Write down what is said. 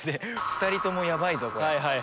２人ともヤバいぞこれ。